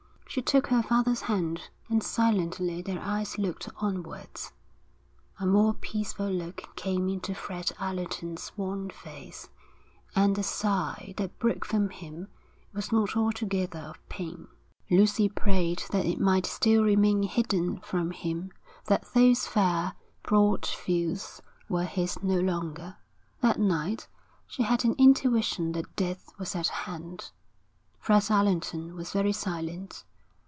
She took her father's hand, and silently their eyes looked onwards. A more peaceful look came into Fred Allerton's worn face, and the sigh that broke from him was not altogether of pain. Lucy prayed that it might still remain hidden from him that those fair, broad fields were his no longer. That night, she had an intuition that death was at hand. Fred Allerton was very silent.